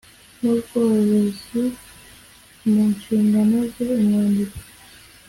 N ubworozi mu nshingano ze umwanditsi